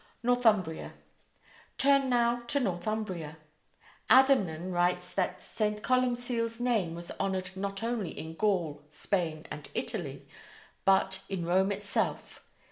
NORTHUMBRIA: Turn now to Northumbria. Adamnan writes that St. Columcille's name was honored not only in Gaul, Spain, and Italy, but in Rome itself.